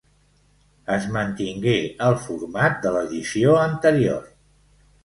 Es mantingué el format de l'edició anterior.